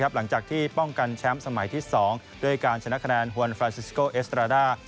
หลังจากที่ป้องกันแชมป์สมัยที่๒ด้วยการชนะคะแนนฮวนฟราซิสโกเอสตราด้า